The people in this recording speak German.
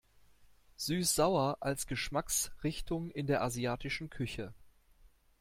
Süß-sauer als Geschmacksrichtung in der asiatischen Küche.